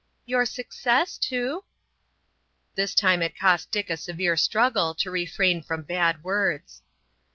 "Your success too?" This time it cost Dick a severe struggle to refrain from bad words.